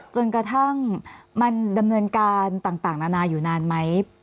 จนกระทั่งมันดำเนินการต่างนานาอยู่นานไหม